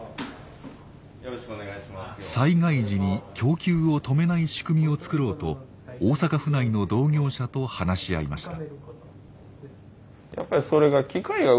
災害時に供給を止めない仕組みを作ろうと大阪府内の同業者と話し合いました。